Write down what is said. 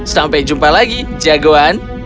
sampai jumpa lagi jagoan